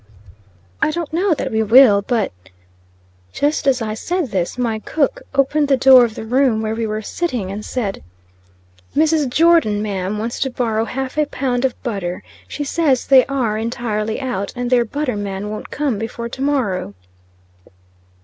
"I don't know that we will. But " Just as I said this, my cook opened the door of the room where we were sitting and said "Mrs. Jordon, ma'am, wants to borrow half a pound of butter. She says, they are entirely out, and their butter man won't come before to morrow."